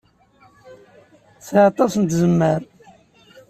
Tesɛa aṭas n tzemmar.